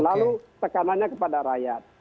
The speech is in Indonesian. lalu tekanannya kepada rakyat